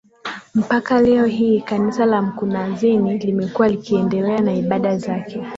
Mpaka leo hii kanisa la Mkunazini limekuwa likiendelea na ibada zake